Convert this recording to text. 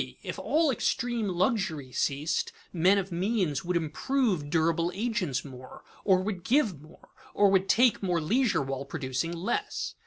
_If all extreme luxury ceased, men of means would improve durable agents more or would give more or would take more leisure while producing less.